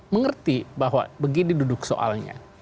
mengerti bahwa begini duduk soalnya